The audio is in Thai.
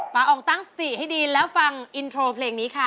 อองตั้งสติให้ดีแล้วฟังอินโทรเพลงนี้ค่ะ